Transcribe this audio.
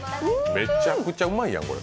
めちゃくちゃうまいやん、これ。